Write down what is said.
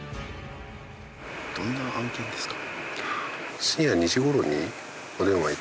どんな案件ですか？